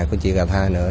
của chị cà tha nữa